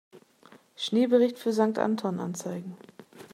Schneebericht für Sankt Anton anzeigen.